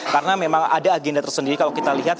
karena memang ada agenda tersendiri kalau kita lihat